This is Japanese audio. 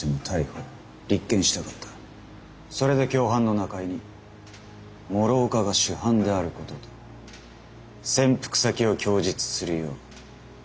それで共犯の中江に諸岡が主犯であることと潜伏先を供述するよう持ちかけた。